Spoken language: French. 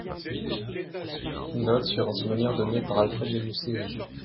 Note sur un souvenir donné par Alfred de Musset à G.